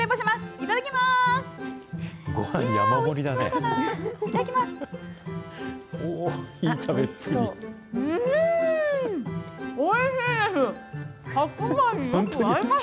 いただきます。